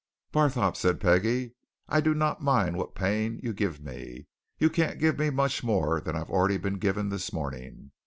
"Barthorpe!" said Peggie, "I do not mind what pain you give me you can't give me much more than I've already been given this morning.